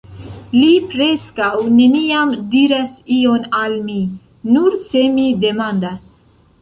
Li preskaŭ neniam diras ion al mi..., nur se mi demandas.